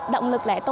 động lực lẻo